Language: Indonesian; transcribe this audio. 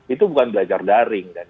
itu bukan belajar daring